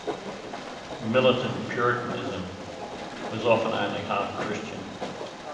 Militant Puritanism was often only half-Christian.